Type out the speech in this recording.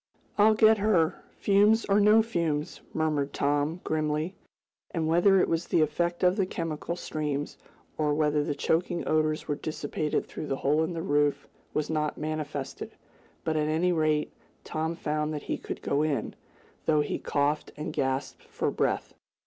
"I'll get her, fumes or no fumes!" murmured Tom, grimly. And, whether it was the effect of the chemical streams, or whether the choking odors were dissipated through the hole in the roof was not manifested, but, at any rate, Tom found that he could go in, though he coughed and gasped for breath.